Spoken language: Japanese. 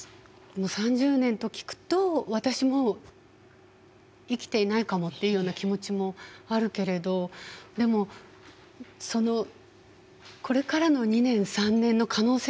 ３０年と聞くと私もう生きていないかもっていうような気持ちもあるけれどでもそのこれからの２年３年の可能性だってあるわけですよね。